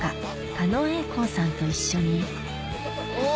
狩野英孝さんと一緒にうわ！